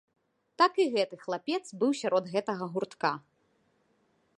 Так і гэты хлапец быў сярод гэтага гуртка.